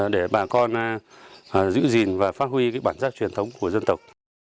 để bà con giữ gìn và phát huy bản giác truyền thống của dân tộc